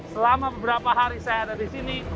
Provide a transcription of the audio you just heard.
selama beberapa hari saya ada di sini